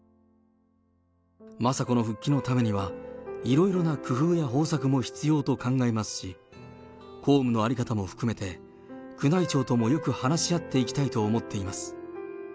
雅子の復帰のためにはいろいろな工夫や方策も必要と考えますし、公務の在り方も含めて、宮内庁ともよく話し合っていきたいと思っています。